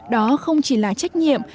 đó không chỉ là trách nhiệm